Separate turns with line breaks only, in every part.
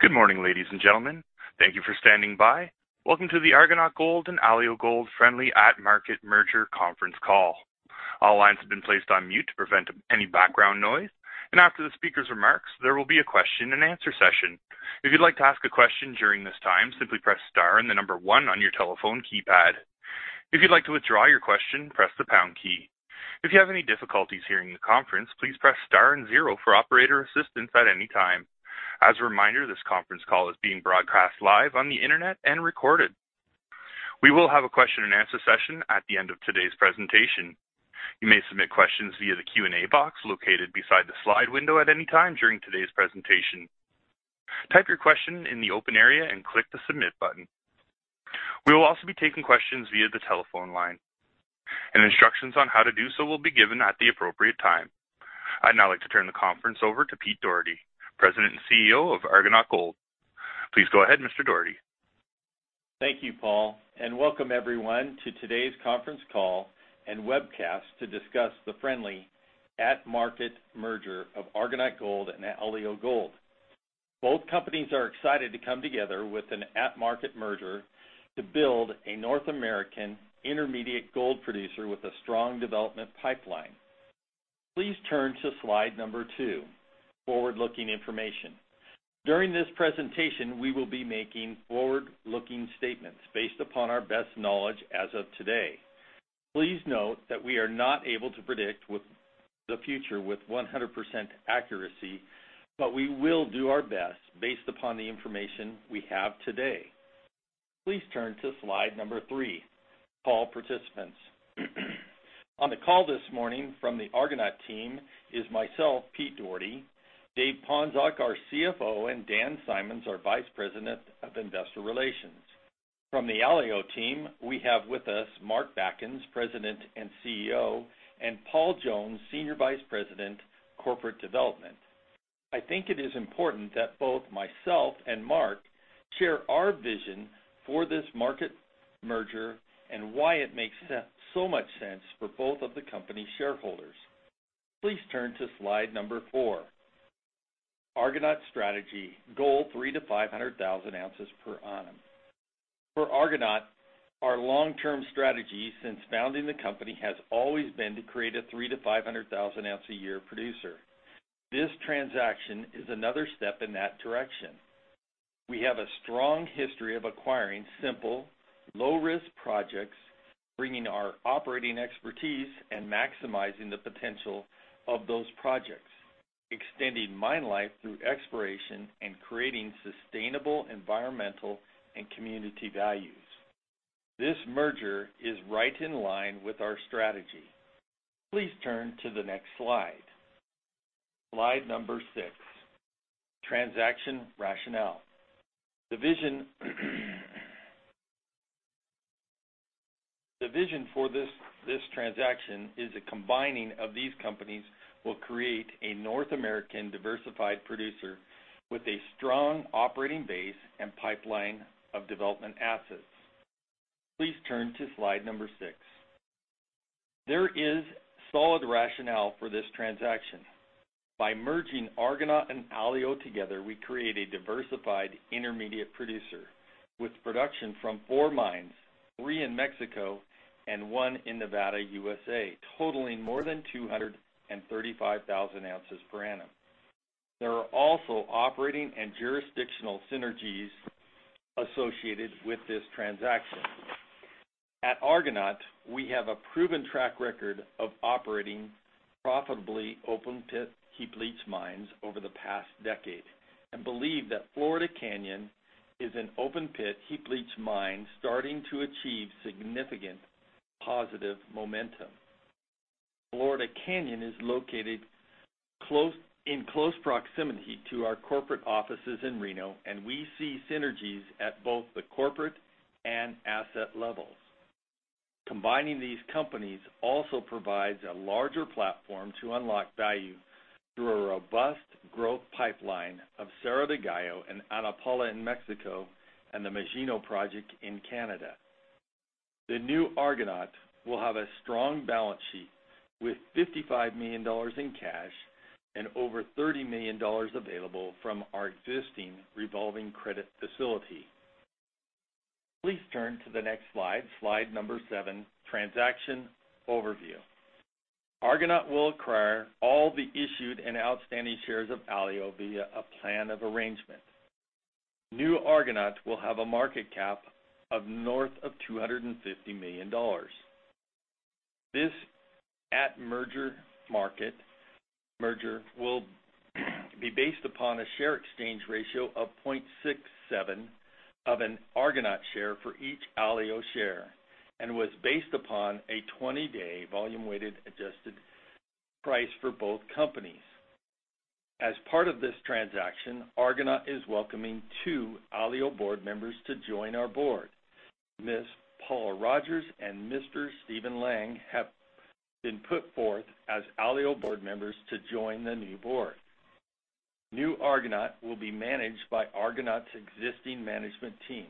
Good morning, ladies and gentlemen. Thank you for standing by. Welcome to the Argonaut Gold and Alio Gold friendly at-market merger conference call. All lines have been placed on mute to prevent any background noise. After the speaker's remarks, there will be a question-and-answer session. If you'd like to ask a question during this time, simply press star and the number one on your telephone keypad. If you'd like to withdraw your question, press the pound key. If you have any difficulties hearing the conference, please press star and zero for operator assistance at any time. As a reminder, this conference call is being broadcast live on the internet and recorded. We will have a question-and-answer session at the end of today's presentation. You may submit questions via the Q&A box located beside the slide window at any time during today's presentation. Type your question in the open area and click the Submit button. We will also be taking questions via the telephone line, and instructions on how to do so will be given at the appropriate time. I'd now like to turn the conference over to Pete Dougherty, President and CEO of Argonaut Gold. Please go ahead, Mr. Dougherty.
Thank you, Paul. Welcome everyone to today's conference call and webcast to discuss the friendly at-market merger of Argonaut Gold and Alio Gold. Both companies are excited to come together with an at-market merger to build a North American intermediate gold producer with a strong development pipeline. Please turn to slide number two, forward-looking information. During this presentation, we will be making forward-looking statements based upon our best knowledge as of today. Please note that we are not able to predict the future with 100% accuracy. We will do our best based upon the information we have today. Please turn to slide number three, call participants. On the call this morning from the Argonaut team is myself, Pete Dougherty, David Ponczoch, our CFO, and Dan Symons, our Vice President of Investor Relations. From the Alio team, we have with us Mark Backens, President and CEO, and Paul Jones, Senior Vice President, Corporate Development. I think it is important that both myself and Mark share our vision for this market merger and why it makes so much sense for both of the company's shareholders. Please turn to slide number four, Argonaut strategy, gold 300,000-500,000 ounces per annum. For Argonaut, our long-term strategy since founding the company has always been to create a 300,000-500,000-ounce a year producer. This transaction is another step in that direction. We have a strong history of acquiring simple, low-risk projects, bringing our operating expertise and maximizing the potential of those projects, extending mine life through exploration and creating sustainable environmental and community values. This merger is right in line with our strategy. Please turn to the next slide. Slide number six, transaction rationale. The vision for this transaction is the combining of these companies will create a North American diversified producer with a strong operating base and pipeline of development assets. Please turn to slide number six. There is solid rationale for this transaction. By merging Argonaut and Alio together, we create a diversified intermediate producer with production from four mines, three in Mexico and one in Nevada, U.S.A., totaling more than 235,000 ounces per annum. There are also operating and jurisdictional synergies associated with this transaction. At Argonaut, we have a proven track record of operating profitably open-pit heap leach mines over the past decade and believe that Florida Canyon is an open-pit heap leach mine starting to achieve significant positive momentum. Florida Canyon is located in close proximity to our corporate offices in Reno, and we see synergies at both the corporate and asset levels. Combining these companies also provides a larger platform to unlock value through a robust growth pipeline of Cerro del Gallo and Ana Paula in Mexico and the Magino project in Canada. The new Argonaut will have a strong balance sheet with $55 million in cash and over $30 million available from our existing revolving credit facility. Please turn to the next slide. Slide number seven, transaction overview. Argonaut will acquire all the issued and outstanding shares of Alio via a plan of arrangement. New Argonaut will have a market cap of north of $250 million. This at market merger will be based upon a share exchange ratio of 0.67 of an Argonaut share for each Alio share and was based upon a 20-day volume-weighted average price for both companies. As part of this transaction, Argonaut is welcoming two Alio board members to join our board. Ms. Paula Rogers and Mr. Stephen Lang have been put forth as Alio board members to join the new board. New Argonaut will be managed by Argonaut's existing management team.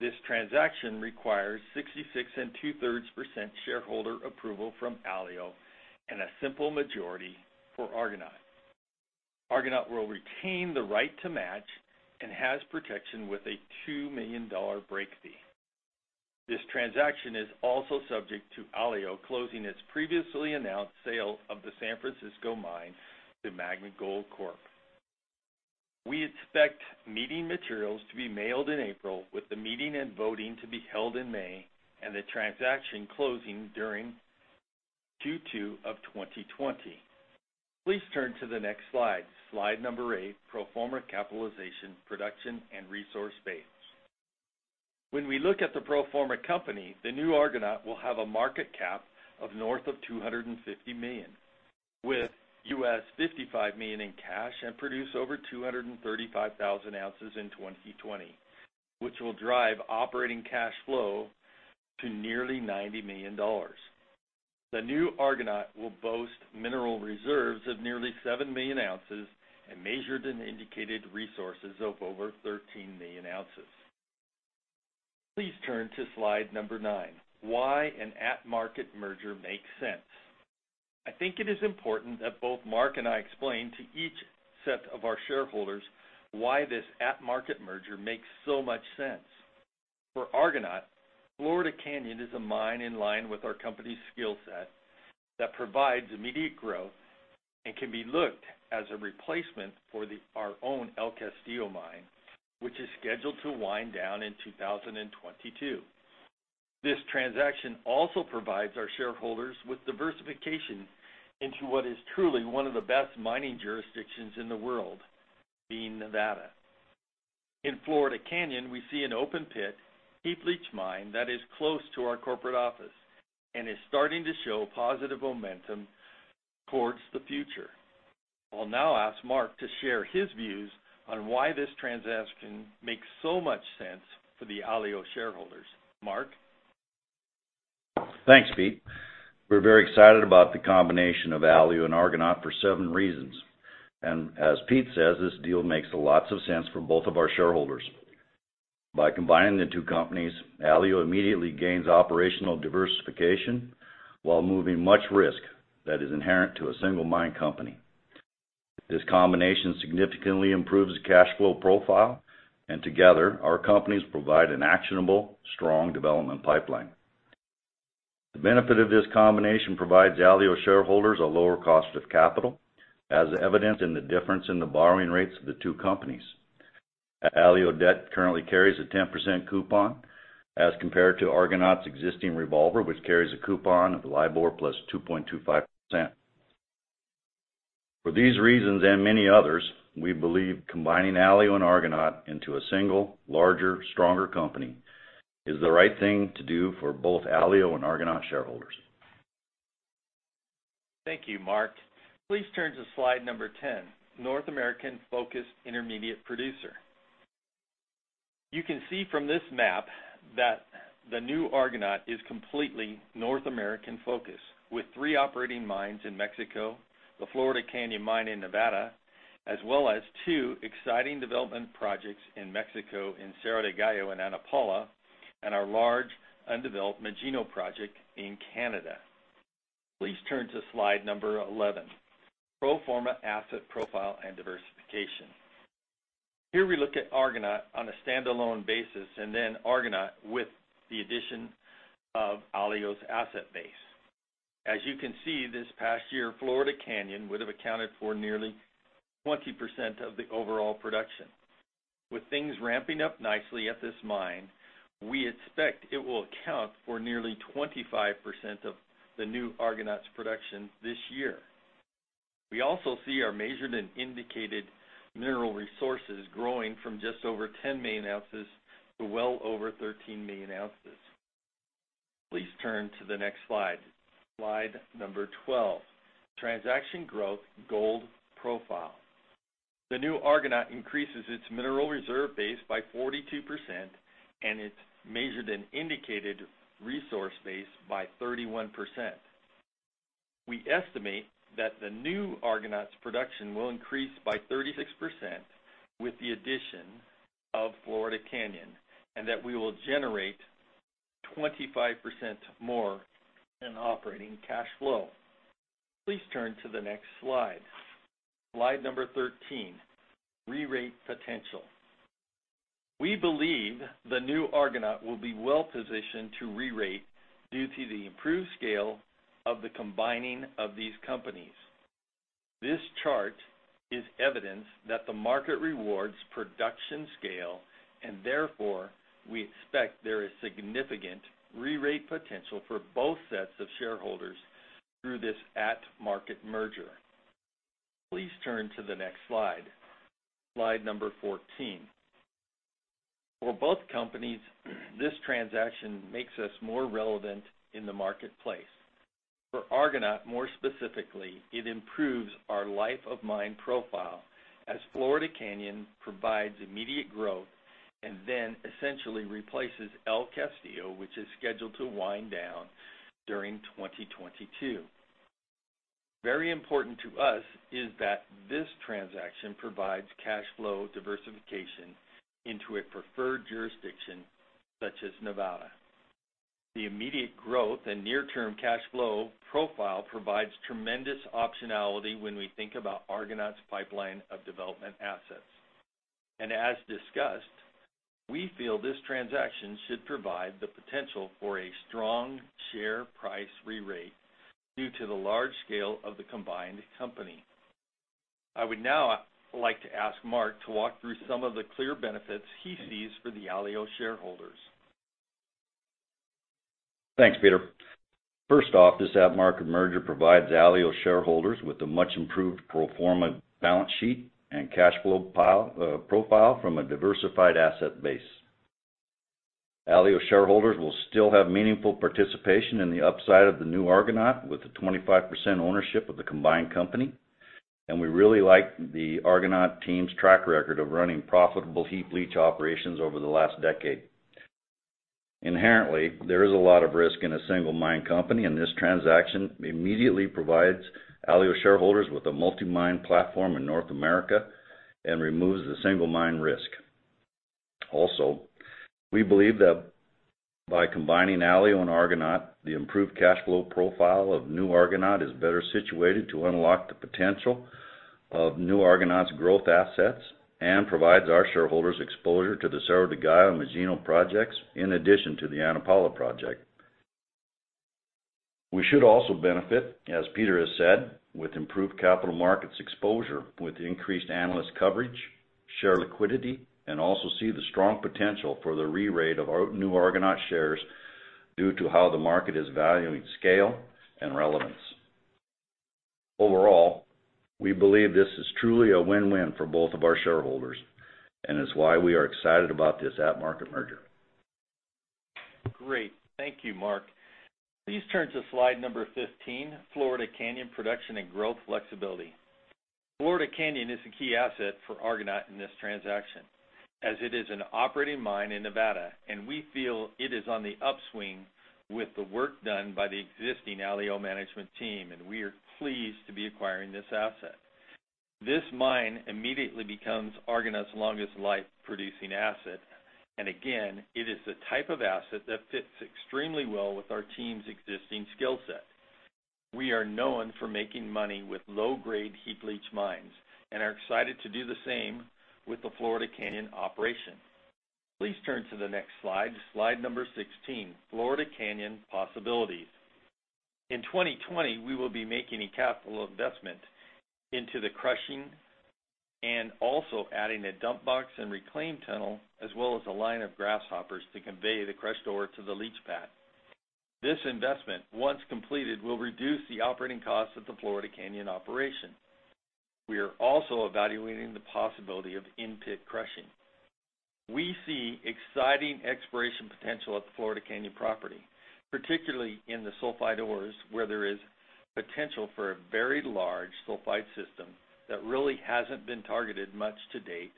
This transaction requires 66% and two-thirds percent shareholder approval from Alio and a simple majority for Argonaut. Argonaut will retain the right to match and has protection with a $2 million break fee. This transaction is also subject to Alio closing its previously announced sale of the San Francisco mine to Magna Gold Corp. We expect meeting materials to be mailed in April with the meeting and voting to be held in May and the transaction closing during Q2 of 2020. Please turn to the next slide. Slide number eight, pro forma capitalization, production, and resource base. When we look at the pro forma company, the new Argonaut will have a market cap of north of $250 million, with $55 million in cash and produce over 235,000 ounces in 2020, which will drive operating cash flow to nearly $90 million. The new Argonaut will boast mineral reserves of nearly 7 million ounces and measured and indicated resources of over 13 million ounces. Please turn to slide number nine, why an at-market merger makes sense. I think it is important that both Mark and I explain to each set of our shareholders why this at-market merger makes so much sense. For Argonaut, Florida Canyon is a mine in line with our company's skill set that provides immediate growth and can be looked as a replacement for our own El Castillo mine, which is scheduled to wind down in 2022. This transaction also provides our shareholders with diversification into what is truly one of the best mining jurisdictions in the world, being Nevada. In Florida Canyon, we see an open-pit, heap leach mine that is close to our corporate office and is starting to show positive momentum towards the future. I'll now ask Mark to share his views on why this transaction makes so much sense for the Alio shareholders. Mark?
Thanks, Pete. We're very excited about the combination of Alio and Argonaut for several reasons. As Pete says, this deal makes a lot of sense for both of our shareholders. By combining the two companies, Alio immediately gains operational diversification while moving much risk that is inherent to a single-mine company. This combination significantly improves the cash flow profile, and together, our companies provide an actionable, strong development pipeline. The benefit of this combination provides Alio shareholders a lower cost of capital, as evidenced in the difference in the borrowing rates of the two companies. Alio debt currently carries a 10% coupon as compared to Argonaut's existing revolver, which carries a coupon of LIBOR +2.25%. For these reasons and many others, we believe combining Alio and Argonaut into a single, larger, stronger company is the right thing to do for both Alio and Argonaut shareholders.
Thank you, Mark. Please turn to slide number 10, North American-focused intermediate producer. You can see from this map that the new Argonaut is completely North American-focused, with three operating mines in Mexico, the Florida Canyon mine in Nevada, as well as two exciting development projects in Mexico in Cerro del Gallo and Ana Paula, and our large undeveloped Magino project in Canada. Please turn to slide number 11, pro forma asset profile and diversification. Here we look at Argonaut on a standalone basis and then Argonaut with the addition of Alio's asset base. As you can see, this past year, Florida Canyon would have accounted for nearly 20% of the overall production. With things ramping up nicely at this mine, we expect it will account for nearly 25% of the new Argonaut's production this year. We also see our measured and indicated mineral resources growing from just over 10 million ounces to well over 13 million ounces. Please turn to the next slide. Slide number 12, transaction growth gold profile. The new Argonaut increases its mineral reserve base by 42% and its measured and indicated resource base by 31%. We estimate that the new Argonaut's production will increase by 36% with the addition of Florida Canyon and that we will generate 25% more in operating cash flow. Please turn to the next slide. Slide number 13, re-rate potential. We believe the new Argonaut will be well-positioned to re-rate due to the improved scale of the combining of these companies. This chart is evidence that the market rewards production scale, and therefore, we expect there is significant re-rate potential for both sets of shareholders through this at-market merger. Please turn to the next slide. Slide number 14. For both companies, this transaction makes us more relevant in the marketplace. For Argonaut, more specifically, it improves our life of mine profile as Florida Canyon provides immediate growth and then essentially replaces El Castillo, which is scheduled to wind down during 2022. Very important to us is that this transaction provides cash flow diversification into a preferred jurisdiction such as Nevada. The immediate growth and near-term cash flow profile provides tremendous optionality when we think about Argonaut's pipeline of development assets. As discussed, we feel this transaction should provide the potential for a strong share price re-rate due to the large scale of the combined company. I would now like to ask Mark to walk through some of the clear benefits he sees for the Alio shareholders.
Thanks, Pete. First off, this at-market merger provides Alio shareholders with a much improved pro forma balance sheet and cash flow profile from a diversified asset base. Alio shareholders will still have meaningful participation in the upside of the new Argonaut, with the 25% ownership of the combined company, we really like the Argonaut team's track record of running profitable heap leach operations over the last decade. Inherently, there is a lot of risk in a single mine company, this transaction immediately provides Alio shareholders with a multi-mine platform in North America and removes the single mine risk. Also, we believe that by combining Alio and Argonaut, the improved cash flow profile of new Argonaut is better situated to unlock the potential of new Argonaut's growth assets and provides our shareholders exposure to the Cerro del Gallo and Magino projects, in addition to the Ana Paula project. We should also benefit, as Pete has said, with improved capital markets exposure, with increased analyst coverage, share liquidity, and also see the strong potential for the re-rate of new Argonaut shares due to how the market is valuing scale and relevance. Overall, we believe this is truly a win-win for both of our shareholders and is why we are excited about this at-market merger.
Great. Thank you, Mark. Please turn to slide number 15, Florida Canyon production and growth flexibility. Florida Canyon is a key asset for Argonaut in this transaction, as it is an operating mine in Nevada, and we feel it is on the upswing with the work done by the existing Alio management team, and we are pleased to be acquiring this asset. Again, it is the type of asset that fits extremely well with our team's existing skill set. We are known for making money with low-grade heap leach mines and are excited to do the same with the Florida Canyon operation. Please turn to the next slide number 16, Florida Canyon possibilities. In 2020, we will be making a capital investment into the crushing and also adding a dump box and reclaim tunnel, as well as a line of grasshoppers to convey the crushed ore to the leach pad. This investment, once completed, will reduce the operating costs of the Florida Canyon operation. We are also evaluating the possibility of in-pit crushing. We see exciting exploration potential at the Florida Canyon property, particularly in the sulfide ores, where there is potential for a very large sulfide system that really hasn't been targeted much to date,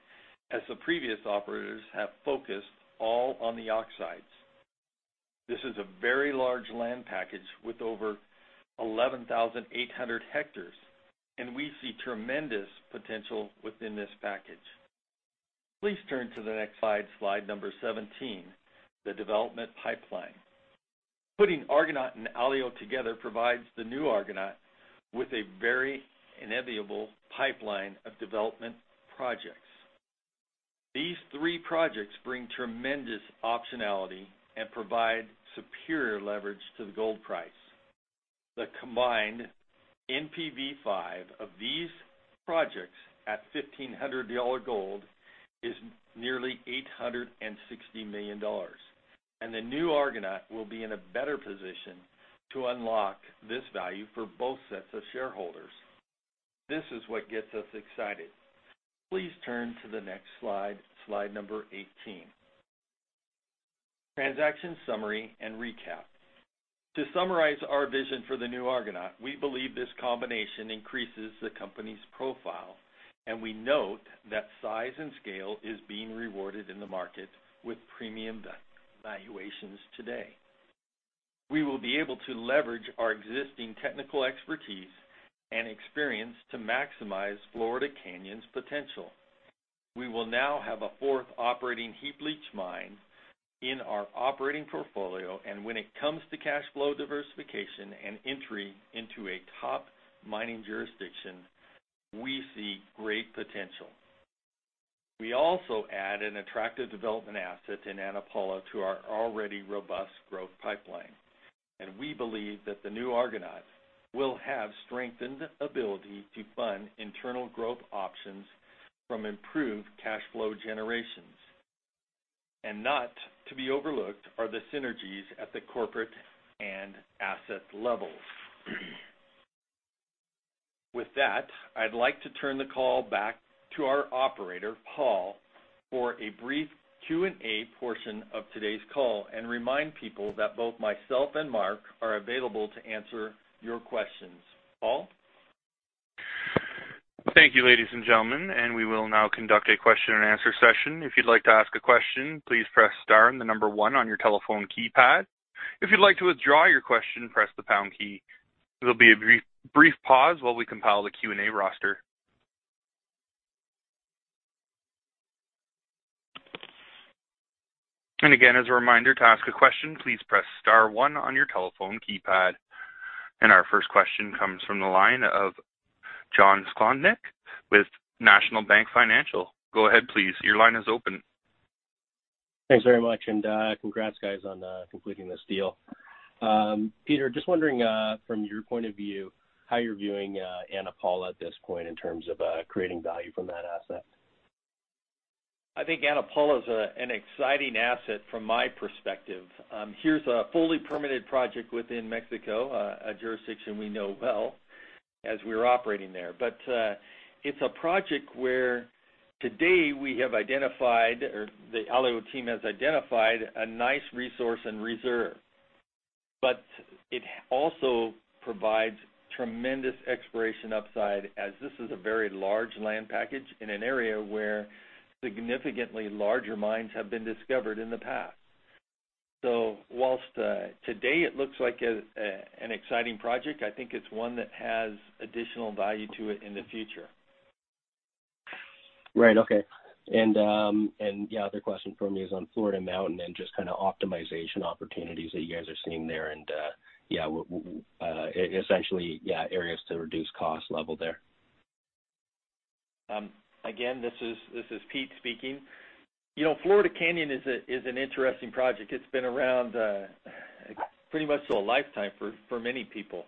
as the previous operators have focused all on the oxides. This is a very large land package with over 11,800 hectares, and we see tremendous potential within this package. Please turn to the next slide number 17, the development pipeline. Putting Argonaut and Alio together provides the new Argonaut with a very enviable pipeline of development projects. These three projects bring tremendous optionality and provide superior leverage to the gold price. The combined NPV5 of these projects at $1,500 gold is nearly $860 million. The new Argonaut will be in a better position to unlock this value for both sets of shareholders. This is what gets us excited. Please turn to the next slide number 18. Transaction summary and recap. To summarize our vision for the new Argonaut, we believe this combination increases the company's profile. We note that size and scale is being rewarded in the market with premium valuations today. We will be able to leverage our existing technical expertise and experience to maximize Florida Canyon's potential. We will now have a fourth operating heap leach mine in our operating portfolio. When it comes to cash flow diversification and entry into a top mining jurisdiction, we see great potential. We also add an attractive development asset in Ana Paula to our already robust growth pipeline. We believe that the new Argonaut will have strengthened ability to fund internal growth options from improved cash flow generations. Not to be overlooked are the synergies at the corporate and asset levels. With that, I'd like to turn the call back to our operator, Paul, for a brief Q&A portion of today's call and remind people that both myself and Mark are available to answer your questions.
Thank you, ladies and gentlemen. We will now conduct a question-and-answer session. If you'd like to ask a question, please press star and the number one on your telephone keypad. If you'd like to withdraw your question, press the pound key. There'll be a brief pause while we compile the Q&A roster. Again, as a reminder, to ask a question, please press star one on your telephone keypad. Our first question comes from the line of John Sclodnick with National Bank Financial. Go ahead, please. Your line is open.
Thanks very much, congrats, guys, on completing this deal. Pete, just wondering, from your point of view, how you're viewing Ana Paula at this point in terms of creating value from that asset?
I think Ana Paula's an exciting asset from my perspective. Here's a fully permitted project within Mexico, a jurisdiction we know well as we're operating there. It's a project where today we have identified, or the Alio team has identified a nice resource and reserve. It also provides tremendous exploration upside, as this is a very large land package in an area where significantly larger mines have been discovered in the past. Whilst today it looks like an exciting project, I think it's one that has additional value to it in the future.
Right. Okay. The other question for me is on Florida Canyon and just optimization opportunities that you guys are seeing there and, essentially, areas to reduce cost level there.
Again, this is Pete speaking. Florida Canyon is an interesting project. It's been around pretty much so a lifetime for many people.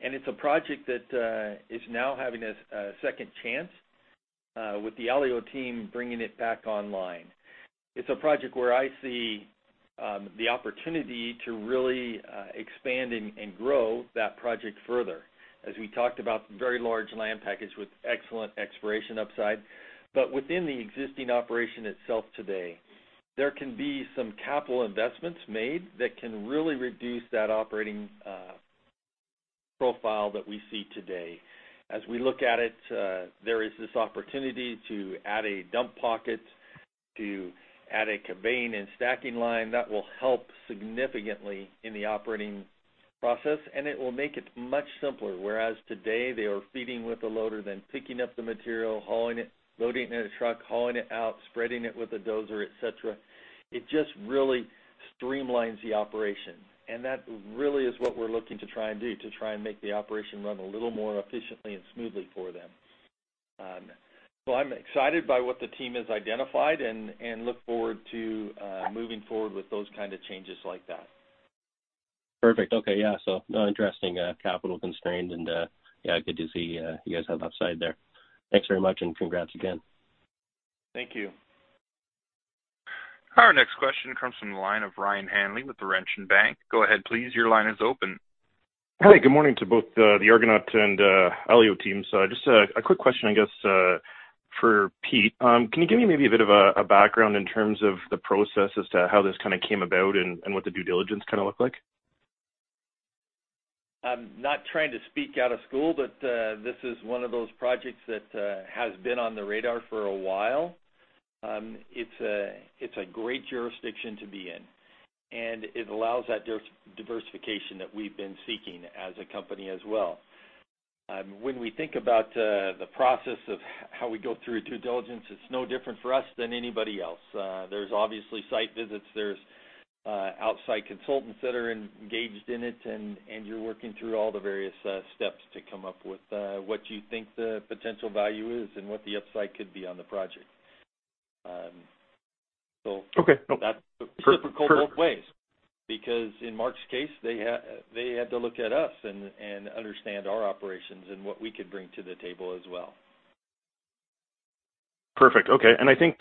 It's a project that is now having a second chance with the Alio team bringing it back online. It's a project where I see the opportunity to really expand and grow that project further. As we talked about, very large land package with excellent exploration upside. Within the existing operation itself today, there can be some capital investments made that can really reduce that operating profile that we see today. As we look at it, there is this opportunity to add a dump pocket, to add a conveying and stacking line that will help significantly in the operating process, and it will make it much simpler. Whereas today, they are feeding with a loader, then picking up the material, hauling it, loading it in a truck, hauling it out, spreading it with a dozer, et cetera. It just really streamlines the operation. That really is what we're looking to try and do, to try and make the operation run a little more efficiently and smoothly for them. I'm excited by what the team has identified and look forward to moving forward with those kind of changes like that.
Perfect. Okay. Yeah. Not addressing capital constrained and yeah, good to see you guys have upside there. Thanks very much, and congrats again.
Thank you.
Our next question comes from the line of Ryan Hanley with Laurentian Bank Securities. Go ahead, please. Your line is open.
Hi. Good morning to both the Argonaut and Alio teams. Just a quick question, I guess, for Pete. Can you give me maybe a bit of a background in terms of the process as to how this came about and what the due diligence looked like?
I'm not trying to speak out of school. This is one of those projects that has been on the radar for a while. It's a great jurisdiction to be in. It allows that diversification that we've been seeking as a company as well. When we think about the process of how we go through due diligence, it's no different for us than anybody else. There's obviously site visits. There's outside consultants that are engaged in it, and you're working through all the various steps to come up with what you think the potential value is and what the upside could be on the project.
Okay, no.
It's difficult both ways because in Mark's case, they had to look at us and understand our operations and what we could bring to the table as well.
Perfect. Okay. I think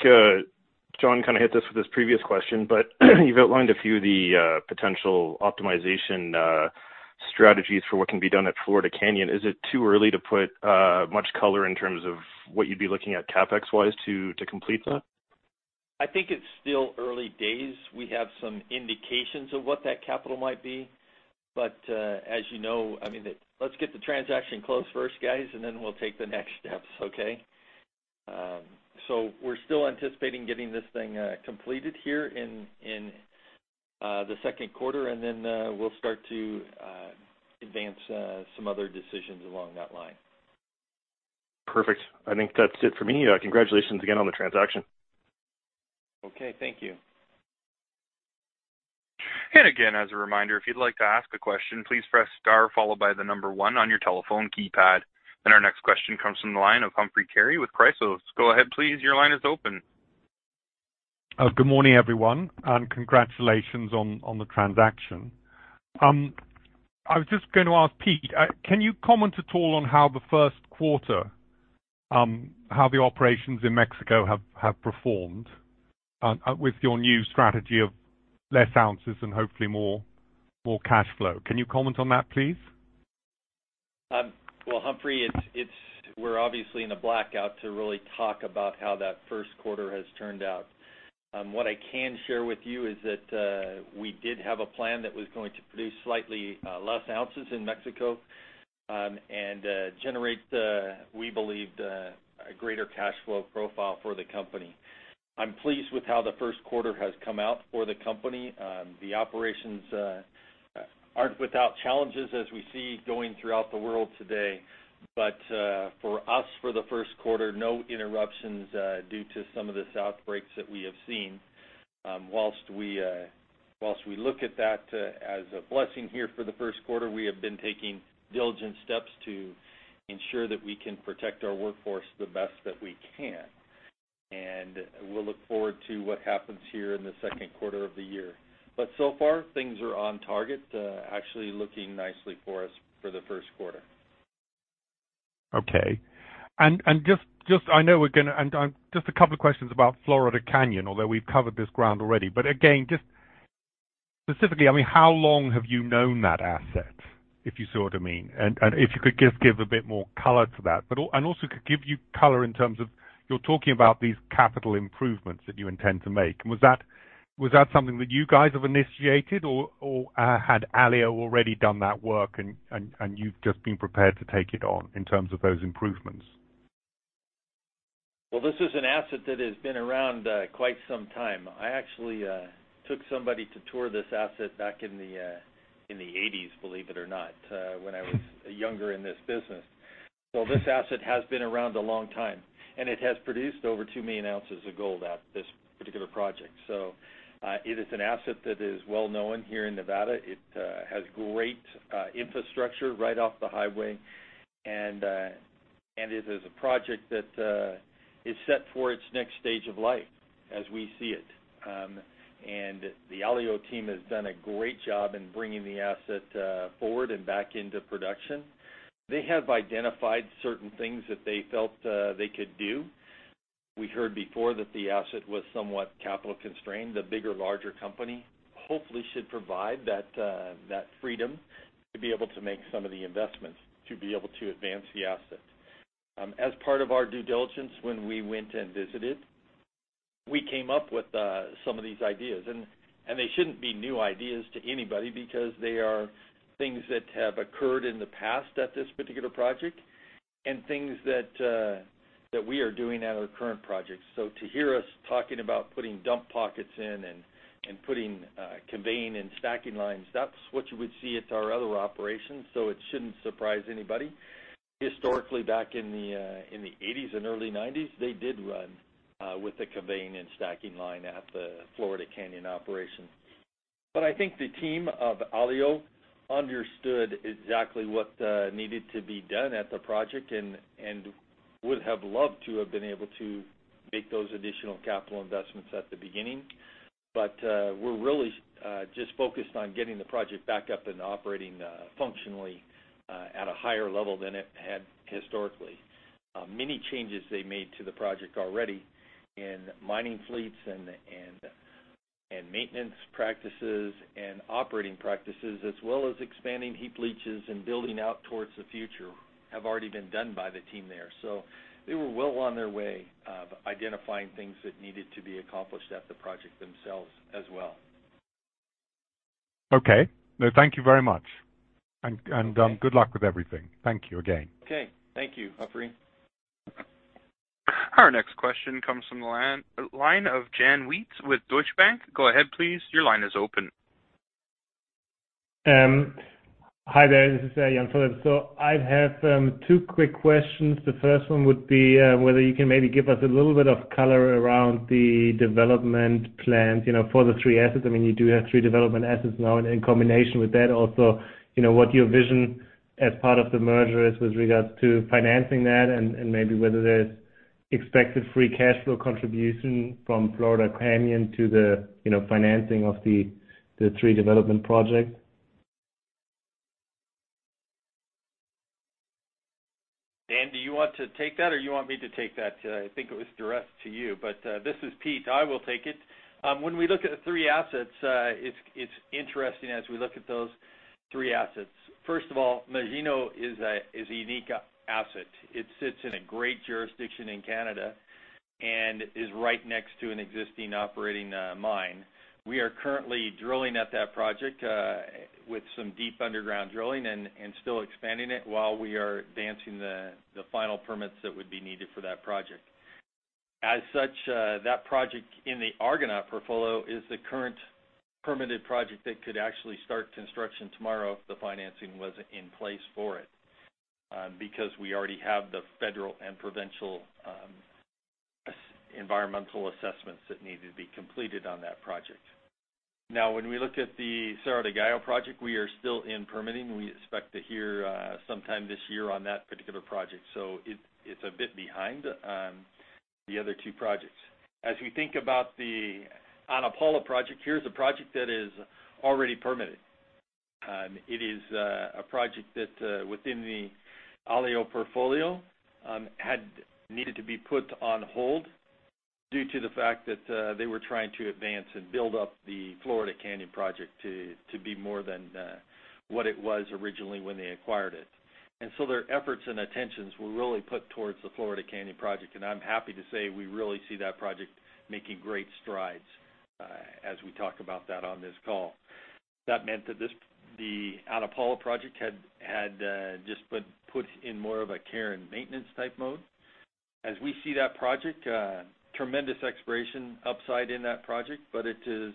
John hit this with his previous question, but you've outlined a few of the potential optimization strategies for what can be done at Florida Canyon. Is it too early to put much color in terms of what you'd be looking at CapEx-wise to complete that?
I think it's still early days. We have some indications of what that capital might be. As you know, let's get the transaction closed first, guys, and then we'll take the next steps. Okay? We're still anticipating getting this thing completed here in the Q2, and then we'll start to advance some other decisions along that line.
Perfect. I think that's it for me. Congratulations again on the transaction.
Okay. Thank you.
Again, as a reminder, if you'd like to ask a question, please press star followed by the number one on your telephone keypad. Our next question comes from the line of Humphrey Carey with Chrysaos. Go ahead, please. Your line is open.
Good morning, everyone, congratulations on the transaction. I was just going to ask Pete, can you comment at all on how the Q1, how the operations in Mexico have performed, with your new strategy of less ounces and hopefully more cash flow? Can you comment on that, please?
Humphrey, we're obviously in a blackout to really talk about how that Q1 has turned out. What I can share with you is that we did have a plan that was going to produce slightly less ounces in Mexico and generate, we believe, a greater cash flow profile for the company. I'm pleased with how the Q1 has come out for the company. The operations aren't without challenges as we see going throughout the world today. For us, for the Q1, no interruptions due to some of the outbreaks that we have seen. Whilst we look at that as a blessing here for the Q1, we have been taking diligent steps to ensure that we can protect our workforce the best that we can. We'll look forward to what happens here in the Q2 of the year. So far, things are on target, actually looking nicely for us for the Q1.
Okay. Just a couple of questions about Florida Canyon, although we've covered this ground already. Again, just specifically, how long have you known that asset, if you see what I mean? If you could just give a bit more color to that. Also, could give you color in terms of, you're talking about these capital improvements that you intend to make. Was that something that you guys have initiated, or had Alio already done that work and you've just been prepared to take it on in terms of those improvements?
Well, this is an asset that has been around quite some time. I actually took somebody to tour this asset back in the '80s, believe it or not, when I was younger in this business. This asset has been around a long time. It has produced over 2 million ounces of gold at this particular project. It is an asset that is well-known here in Nevada. It has great infrastructure right off the highway, and it is a project that is set for its next stage of life as we see it. The Alio team has done a great job in bringing the asset forward and back into production. They have identified certain things that they felt they could do. We heard before that the asset was somewhat capital constrained. A bigger, larger company hopefully should provide that freedom to be able to make some of the investments to be able to advance the asset. As part of our due diligence, when we went and visited, we came up with some of these ideas, and they shouldn't be new ideas to anybody because they are things that have occurred in the past at this particular project and things that we are doing at our current projects. To hear us talking about putting dump pockets in and putting conveying and stacking lines, that's what you would see at our other operations, so it shouldn't surprise anybody. Historically, back in the 80s and early 90s, they did run with a conveying and stacking line at the Florida Canyon operation. I think the team of Alio understood exactly what needed to be done at the project and would have loved to have been able to make those additional capital investments at the beginning. We're really just focused on getting the project back up and operating functionally at a higher level than it had historically. Many changes they made to the project already in mining fleets and maintenance practices and operating practices, as well as expanding heap leaches and building out towards the future, have already been done by the team there. They were well on their way of identifying things that needed to be accomplished at the project themselves as well.
Okay. No, thank you very much.
Okay.
Good luck with everything. Thank you again.
Okay. Thank you, Humphrey.
Our next question comes from the line of Dan Wheat with Deutsche Bank. Go ahead please, your line is open.
Hi there, this is Dan. I have two quick questions. The first one would be whether you can maybe give us a little bit of color around the development plans for the three assets. You do have three development assets now, in combination with that also, what your vision as part of the merger is with regards to financing that and maybe whether there's expected free cash flow contribution from Florida Canyon to the financing of the three development projects.
Dan, do you want to take that or you want me to take that? I think it was addressed to you, but this is Pete. I will take it. When we look at the three assets, it's interesting as we look at those three assets. First of all, Magino is a unique asset. It sits in a great jurisdiction in Canada and is right next to an existing operating mine. We are currently drilling at that project with some deep underground drilling and still expanding it while we are advancing the final permits that would be needed for that project. As such, that project in the Argonaut portfolio is the current permitted project that could actually start construction tomorrow if the financing was in place for it, because we already have the federal and provincial environmental assessments that need to be completed on that project. When we look at the Cerro del Gallo project, we are still in permitting. We expect to hear sometime this year on that particular project. It's a bit behind the other two projects. As we think about the Ana Paula project, here's a project that is already permitted. It is a project that within the Alio portfolio, had needed to be put on hold due to the fact that they were trying to advance and build up the Florida Canyon project to be more than what it was originally when they acquired it. I'm happy to say, we really see that project making great strides as we talk about that on this call. That meant that the Ana Paula project had just been put in more of a care and maintenance type mode. We see that project, tremendous exploration upside in that project, but it is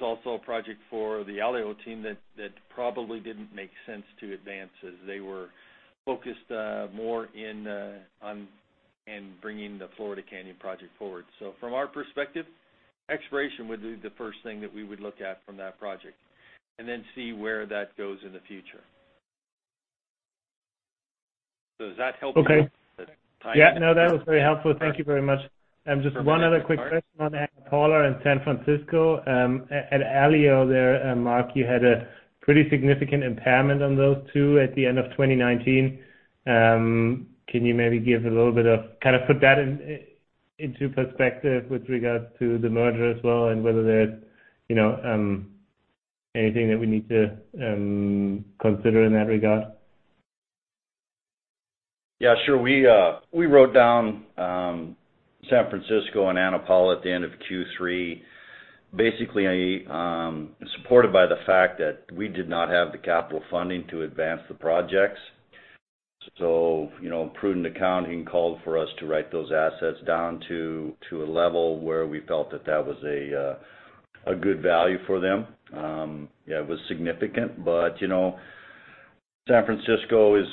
also a project for the Alio team that probably didn't make sense to advance, as they were focused more in bringing the Florida Canyon project forward. From our perspective, exploration would be the first thing that we would look at from that project and then see where that goes in the future. Does that help?
Okay.
At time?
Yeah, no, that was very helpful. Thank you very much. Just one other quick question on Ana Paula and San Francisco. At Alio there, Mark, you had a pretty significant impairment on those two at the end of 2019. Can you maybe give a little bit of Kind of put that into perspective with regards to the merger as well, and whether there's anything that we need to consider in that regard?
Yeah, sure. We wrote down San Francisco and Ana Paula at the end of Q3, basically supported by the fact that we did not have the capital funding to advance the projects. Prudent accounting called for us to write those assets down to a level where we felt that that was a good value for them. Yeah, it was significant. San Francisco is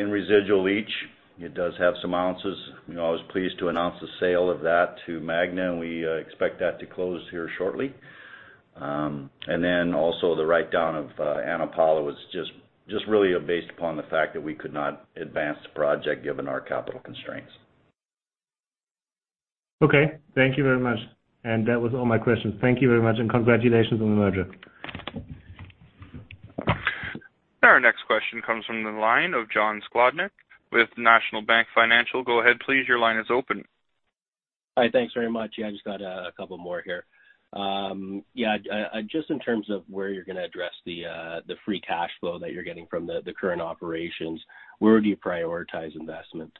in residual leach. It does have some ounces. I was pleased to announce the sale of that to Magna, and we expect that to close here shortly. The write-down of Ana Paula was just really based upon the fact that we could not advance the project given our capital constraints.
Okay. Thank you very much. That was all my questions. Thank you very much, and congratulations on the merger.
Our next question comes from the line of John Sclodnick with National Bank Financial. Go ahead, please. Your line is open.
Hi. Thanks very much. Yeah, I just got a couple more here. Just in terms of where you're going to address the free cash flow that you're getting from the current operations, where would you prioritize investment?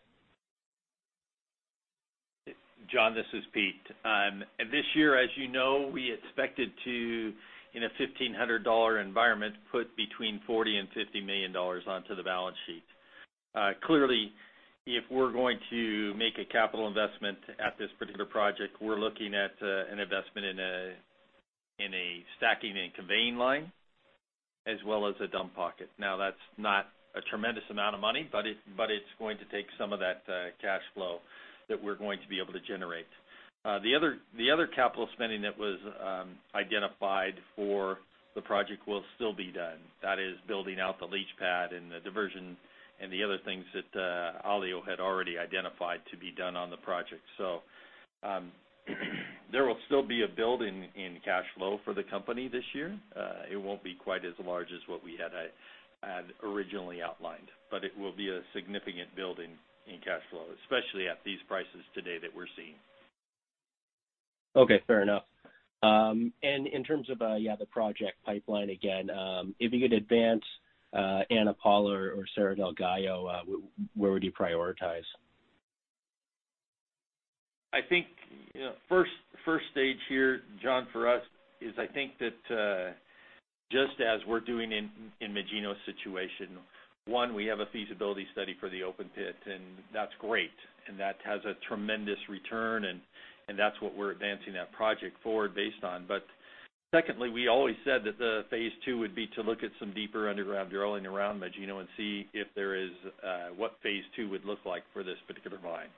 John, this is Pete. This year, as you know, we expected to, in a $1,500 environment, put between $40 million and $50 million onto the balance sheet. If we're going to make a capital investment at this particular project, we're looking at an investment in a stacking and conveying line, as well as a dump pocket. That's not a tremendous amount of money, but it's going to take some of that cash flow that we're going to be able to generate. The other capital spending that was identified for the project will still be done. That is building out the leach pad and the diversion and the other things that Alio had already identified to be done on the project. There will still be a build in cash flow for the company this year. It won't be quite as large as what we had originally outlined, but it will be a significant build in cash flow, especially at these prices today that we're seeing.
Okay, fair enough. In terms of the project pipeline, again, if you could advance Ana Paula or Cerro del Gallo, where would you prioritize?
I think first stage here, John, for us, is I think that just as we're doing in Magino situation, one, we have a feasibility study for the open pit, and that's great, and that has a tremendous return, and that's what we're advancing that project forward based on. Secondly, we always said that the phase II would be to look at some deeper underground drilling around Magino and see what phase II would look like for this particular mine.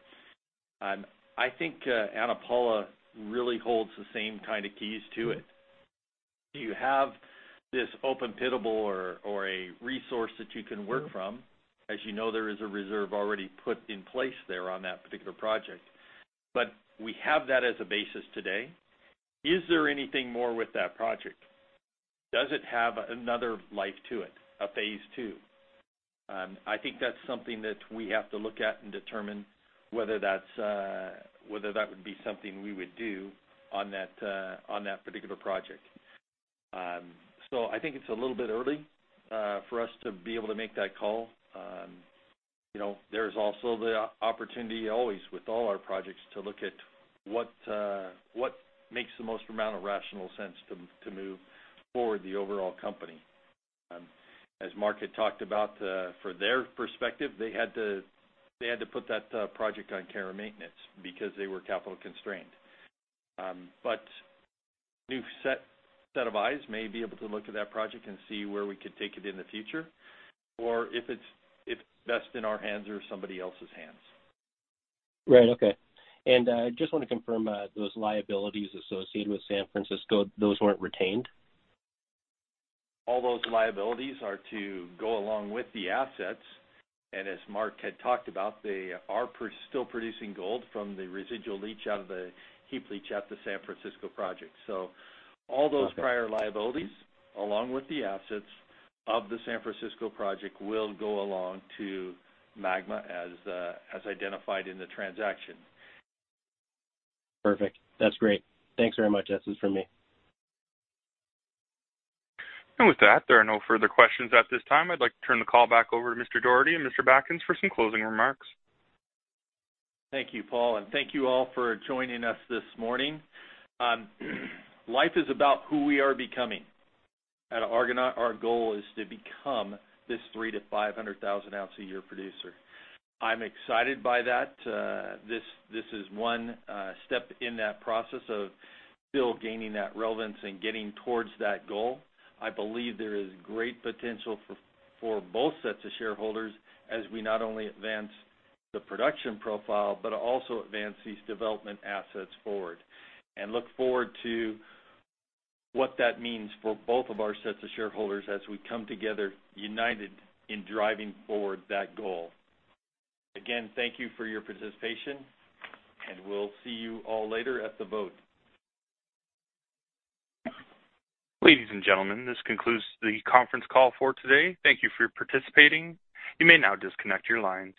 I think Ana Paula really holds the same kind of keys to it. You have this open-pittable ore resource that you can work from. As you know, there is a reserve already put in place there on that particular project. We have that as a basis today. Is there anything more with that project? Does it have another life to it, a phase II? I think that's something that we have to look at and determine whether that would be something we would do on that particular project. I think it's a little bit early for us to be able to make that call. There's also the opportunity always with all our projects to look at what makes the most amount of rational sense to move forward the overall company. As Mark had talked about, for their perspective, they had to put that project on care and maintenance because they were capital constrained. New set of eyes may be able to look at that project and see where we could take it in the future or if it's best in our hands or somebody else's hands.
Right. Okay. I just want to confirm, those liabilities associated with San Francisco, those weren't retained?
All those liabilities are to go along with the assets. As Mark had talked about, they are still producing gold from the residual leach out of the heap leach at the San Francisco project.
Okay
prior liabilities, along with the assets of the San Francisco project, will go along to Magna as identified in the transaction.
Perfect. That's great. Thanks very much. That's it from me.
With that, there are no further questions at this time. I'd like to turn the call back over to Mr. Dougherty and Mr. Backens for some closing remarks.
Thank you, Paul, and thank you all for joining us this morning. Life is about who we are becoming. At Argonaut, our goal is to become this 300,000-500,000 ounce a year producer. I'm excited by that. This is one step in that process of still gaining that relevance and getting towards that goal. I believe there is great potential for both sets of shareholders as we not only advance the production profile, but also advance these development assets forward. Look forward to what that means for both of our sets of shareholders as we come together united in driving forward that goal. Again, thank you for your participation, and we'll see you all later at the vote.
Ladies and gentlemen, this concludes the conference call for today. Thank you for participating. You may now disconnect your lines.